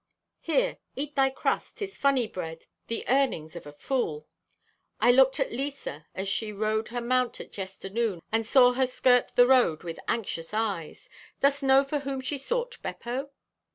"Here, eat thy crust. 'Tis funny bread, the earnings of a fool. "I looked at Lisa as she rode her mount at yesternoon, and saw her skirt the road with anxious eyes. Dost know for whom she sought, Beppo?